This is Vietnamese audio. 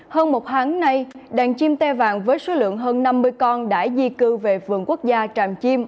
hơn một tháng nay đàn chim tê vàng với số lượng hơn năm mươi con đã di cư về vườn quốc gia tràm chim